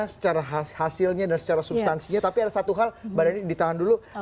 secara hasilnya dan secara substansinya tapi ada satu hal mbak dhani ditahan dulu